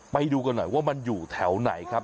ไปดูกันหน่อยว่ามันอยู่แถวไหนครับ